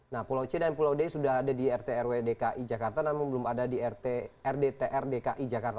nah pulau c dan pulau d sudah ada di rt rw dki jakarta namun belum ada di rdtr dki jakarta